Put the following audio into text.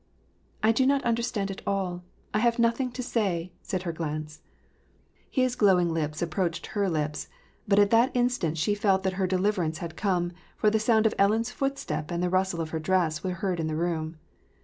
'' I do not understand at all ; I have nothing to say/' said her glance. His glowing lips approached her lips — but at that instant she felt that her deliverance had come, for the sound of Ellen's footsteps and rustle of her dress were heard in the room.